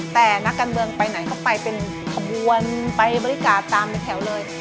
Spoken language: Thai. แต่นักการเมืองไปไหนก็ไปเป็นขบวนไปบริการตามในแถวเลย